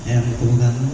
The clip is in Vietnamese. em cố gắng